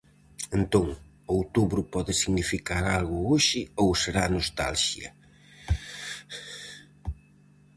Entón, outubro pode significar algo hoxe ou será nostalxia?